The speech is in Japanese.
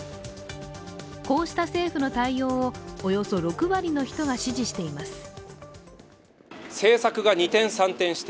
こうした政府の対応をおよそ６割の人が支持しています。